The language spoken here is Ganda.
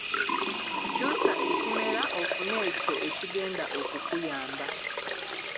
Kyusa ekimera ofune ekyo ekigenda okukuyamba.